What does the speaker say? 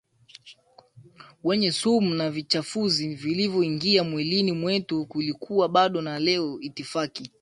wenye sumu na vichafuzi vinavyoingia mwilini mwetu Kulikuwa bado na leo itifaki